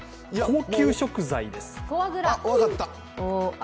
高級食材です。